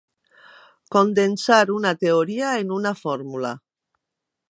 Condensar una teoria en una fórmula.